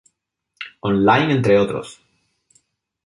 Online entre otros.